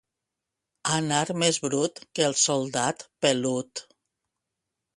Anar més brut que el soldat pelut.